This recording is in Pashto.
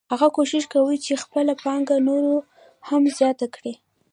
هغه کوښښ کوي چې خپله پانګه نوره هم زیاته کړي